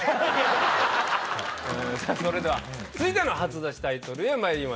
それでは続いての初出しタイトルへまいりましょう。